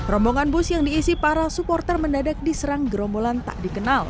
rombongan bus yang diisi para supporter mendadak diserang gerombolan tak dikenal